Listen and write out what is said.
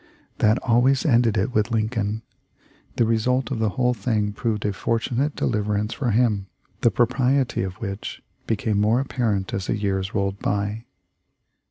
That always ended it with Lincoln. The result of the whole thing proved a fortunate deliverance for him, the propriety of which became more apparent as the years rolled by.